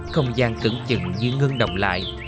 không gian cứng chừng như ngưng đồng lại